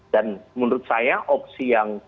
dan menurut saya opsi yang